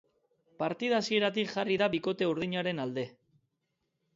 Partida hasieratik jarri da bikote urdinaren alde.